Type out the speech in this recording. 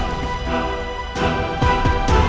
satu buang atau tiga beli yang lewat